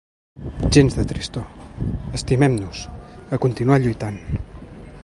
Gens de tristor: estimem-nos, a continuar lluitant.